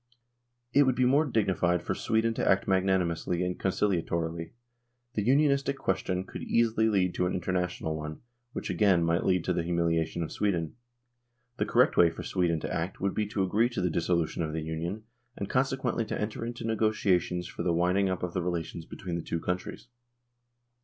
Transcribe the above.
It would be more dignified for Sweden to act magnanimously and conciliatorily. The unionistic question could easily lead to an international one, which again might lead to the humiliation of Sweden. The correct way for Sweden to act would be to agree to the dissolution of the Union, and consequently to enter into negotiations for the winding up of the relations between the two countries.